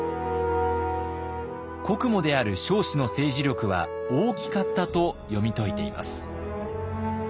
国母である彰子の政治力は大きかったと読み解いています。